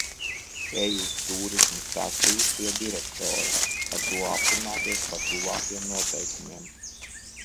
Eju uz tūrisma staciju pie direktora – ar to aprunāties par tuvākiem noteikumiem.